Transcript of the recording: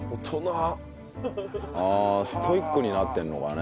ああストイックになってるのかね。